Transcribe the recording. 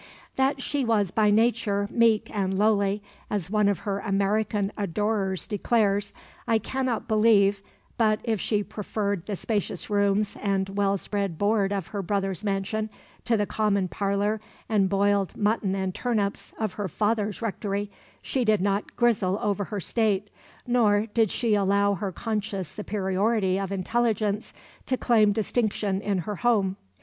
That she was by nature "meek and lowly," as one of her American adorers declares, I cannot believe, but if she preferred the spacious rooms and well spread board of her brother's mansion to the common parlour and boiled mutton and turnips of her father's rectory, she did not grizzle over her state, nor did she allow her conscious superiority of intelligence to claim distinction in her home.